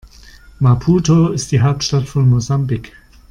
Maputo ist die Hauptstadt von Mosambik.